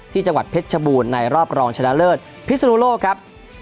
จังหวัดเพชรชบูรณ์ในรอบรองชนะเลิศพิศนุโลกครับ